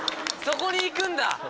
そこに行くんだ！